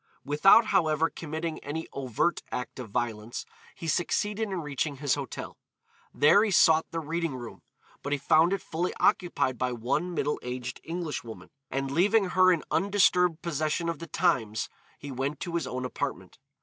Without, however, committing any overt act of violence, he succeeded in reaching his hotel. There he sought the reading room, but he found it fully occupied by one middle aged Englishwoman, and leaving her in undisturbed possession of the Times, he went to his own apartment.